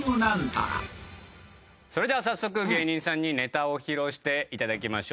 それでは早速芸人さんにネタを披露していただきましょう。